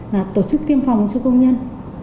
là tổ chức tiêm phòng cho công nhân